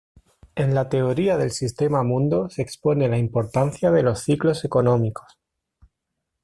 En la teoría del sistema-mundo se expone la importancia de los ciclos económicos.